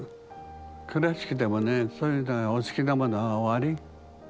クラシックでもねそういうのでお好きなものはおあり？